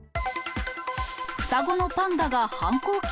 双子のパンダが反抗期？